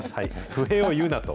不平を言うなと。